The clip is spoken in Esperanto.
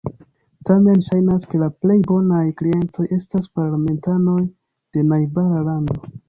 Tamen ŝajnas, ke la plej bonaj klientoj estas parlamentanoj de najbara lando.